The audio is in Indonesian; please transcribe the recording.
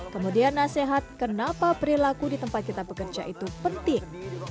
kemudian nasihat kenapa perilaku di tempat kita bekerja itu penting